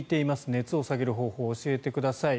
熱を下げる方法を教えてください。